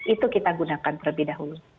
itu kita gunakan terlebih dahulu